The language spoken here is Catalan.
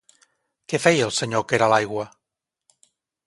Què feia el senyor que era a l'aigua?